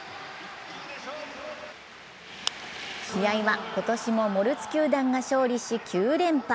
試合は今年もモルツ球団が勝利し９連覇。